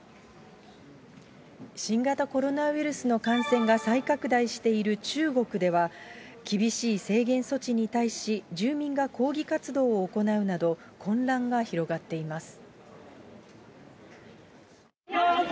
新型コロナウイルスの感染が再拡大している中国では、厳しい制限措置に対し、住民が抗議活動を行うなど、混乱が広がっています。